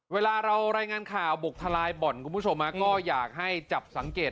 เวลาเรารายงานข่าวบุกทลายบ่อนคุณผู้ชมก็อยากให้จับสังเกต